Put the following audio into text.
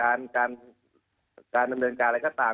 แล้วก็การดำเนินการอะไรก็ตาม